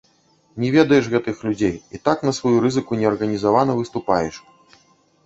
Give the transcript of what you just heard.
Не ведаеш гэтых людзей і так на сваю рызыку неарганізавана выступаеш!